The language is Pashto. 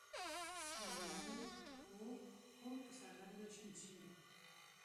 یو نوی ،خوږ. خوږ پسرلی راشین شي